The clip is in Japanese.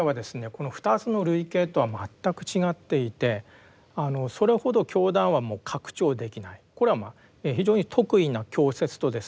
この２つの類型とは全く違っていてそれほど教団はもう拡張できないこれはまあ非常に特異な教説とですね